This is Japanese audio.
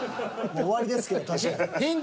もう終わりですけど確かに。